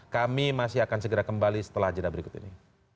kami masih akan segera kembali setelah jeda berikut ini